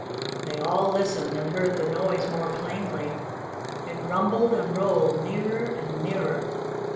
They all listened, and heard the noise more plainly. It rumbled and rolled nearer and nearer.